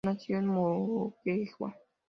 Nació en Moquegua.